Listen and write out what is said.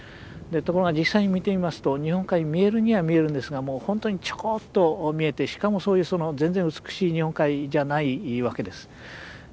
ところが実際に見てみますと日本海見えるには見えるんですがもう本当にちょこっと見えてしかもそういうその全然美しい日本海じゃないわけです。